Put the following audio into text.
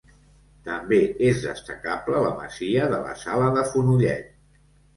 També és destacable la masia de la Sala de Fonollet.